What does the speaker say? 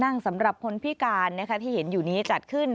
นั่งสำหรับคนพิการที่เห็นนี้จัดขึ้น